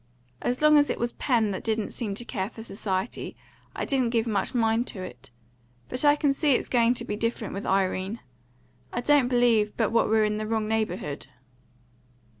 As long as it was Pen that didn't seem to care for society, I didn't give much mind to it. But I can see it's going to be different with Irene. I don't believe but what we're in the wrong neighbourhood."